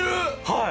はい。